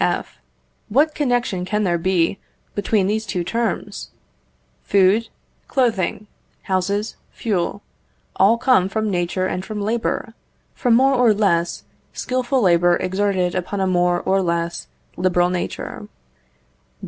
F. What connexion can there be between these two terms? Food, clothing, houses, fuel, all come from nature and from labour, from more or less skilful labour exerted upon a more or less liberal nature.